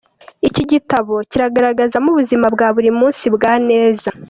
Iki gitabo kigaragazamo ubuzima bwa buri munsi bwa Neza.